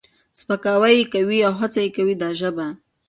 سپکاوی یې کوي او هڅه کوي دا ژبه